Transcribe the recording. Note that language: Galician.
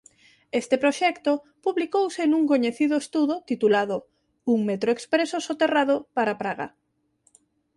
Este proxecto publicouse nun coñecido estudo titulado "Un metro expreso soterrado para Praga".